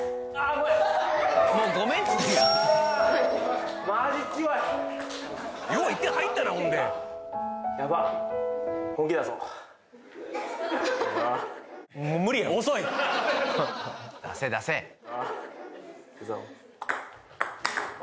ごめん「ごめん」って言ってるやんマジ強いよう１点入ったなほんでやばっもう無理やろ出せ出せいくぞう